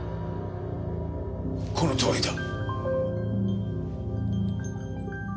このとおりだ。